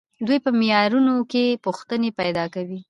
دوی په معیارونو کې پوښتنې پیدا کوي.